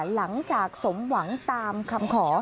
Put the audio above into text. หลังจากสมหวังตามคำขอ